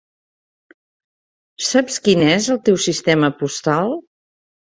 Saps quin és el teu sistema postal?